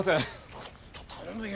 ちょっと頼むよ。